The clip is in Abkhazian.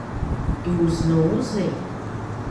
Иузнаузеи?